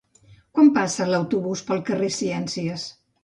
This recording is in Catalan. Quan passa l'autobús pel carrer Ciències?